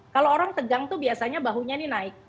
kalau orang tegang itu biasanya bahunya ini naik